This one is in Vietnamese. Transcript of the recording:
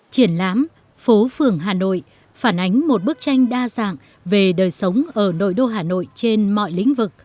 triển lãm phố phường hà nội phản ánh một bức tranh đa dạng về đời sống ở nội đô hà nội trên mọi lĩnh vực